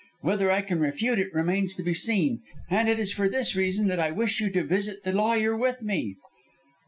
Whether I can refute it remains to be seen; and it is for this reason that I wish you to visit the lawyer with me."